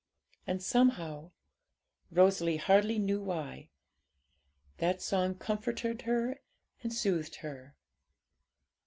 And, somehow Rosalie hardly knew why that song comforted and soothed her.